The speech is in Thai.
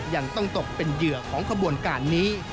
ยังต้องตกเป็นเหยื่อของขบวนการนี้